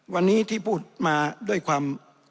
วันนี้ที่พูดมาด้วยความ